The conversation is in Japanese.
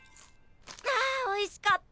あおいしかった。